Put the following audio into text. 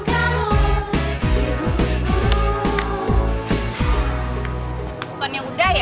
bukan yang udah ya